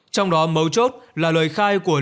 trong đó mấu chốt là lời khai của